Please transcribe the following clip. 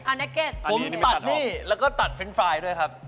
นักเก็ตผมตัดนี่แล้วก็ตัดเฟรนด์ไฟล์ด้วยครับ